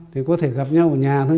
thì có thể gặp nhau ở nhà thôi